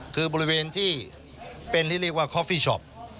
คือบริเวณที่เป็นที่เรียกว่าคอฟฟี่ช็อป